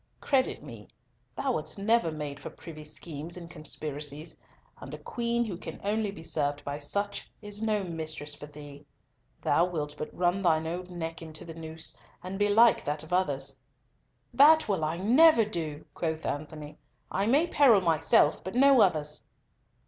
Credit me, thou wast never made for privy schemes and conspiracies, and a Queen who can only be served by such, is no mistress for thee. Thou wilt but run thine own neck into the noose, and belike that of others." "That will I never do," quoth Antony. "I may peril myself, but no others."